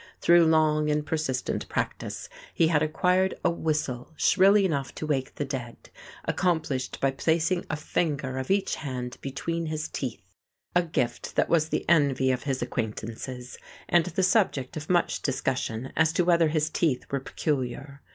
Through long and persistent practice he had acquired a whistle shrill enough to wake the dead, accomplished by placing a finger of each hand between his teeth; a gift that was the envy of his acquaintances, and the subject of much discussion as to whether his teeth were peculiar.